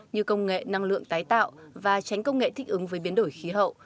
như công nghệ năng lượng tái tạo và tránh công nghệ thích ứng với biến đổi khí hậu